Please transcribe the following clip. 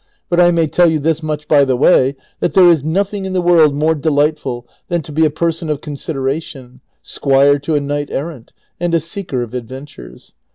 But I may tell you this much by the way, that there is nothing in the world more delightful than to be a person of consideration, squire to a knight errant, and a seeker of advent ures.